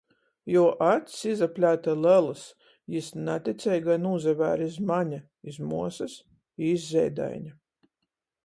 Juo acs izaplēte lelys, jis naticeigai nūsavēre iz mane, iz muosys i iz zeidaiņa.